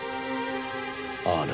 あれ？